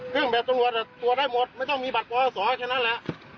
เครื่องแบบตำรวจตรวจได้หมดไม่ต้องมีบัตรปศแค่นั้นแหละ